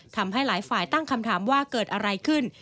ทำให้หลายฝ่ายตั้งคำถามว่าเกิดอะไรขึ้น